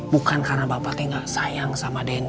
bukan karena bapak teh nggak sayang sama denny